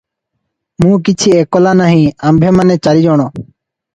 ମୁଁ କିଛି ଏକଲା ନାହିଁ ; ଆମ୍ଭେମାନେ ଚାରିଜଣ ।"